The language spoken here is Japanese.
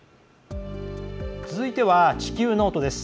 続いては「地球ノート」。